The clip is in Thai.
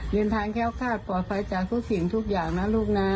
เดินทางแค้วคาดปลอดภัยจากทุกสิ่งทุกอย่างนะลูกนะ